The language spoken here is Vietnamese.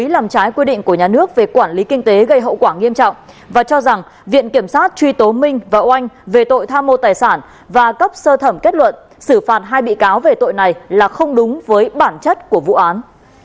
làm trái quy định của nhà nước về quản lý kinh tế gây hậu quả nghiêm trọng và cho rằng viện kiểm sát truy tố minh và oanh về tội tham mô tài sản và cấp sơ thẩm kết luận xử phạt hai bị cáo về tội này là không đúng với bản chất của vụ án